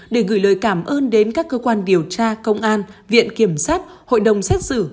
để gửi lời cảm ơn đến các cơ quan điều tra công an viện kiểm sát hội đồng xét xử